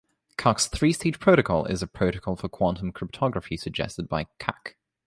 Kak's three-stage protocol is a protocol for quantum cryptography suggested by Kak.